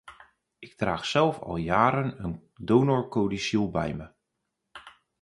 Ik draag zelf al jaren een donorcodicil bij me.